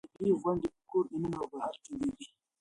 ادبي غونډې په کور دننه او بهر جوړېږي.